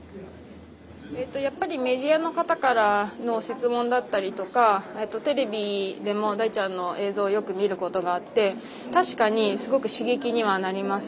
やっぱりメディアの方からの質問だったりとかテレビでも大ちゃんの映像をよく見ることがあって確かにすごく刺激にはなります。